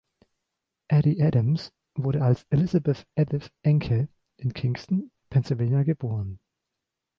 Edie Adams wurde als Elizabeth Edith Enke in Kingston, Pennsylvania geboren.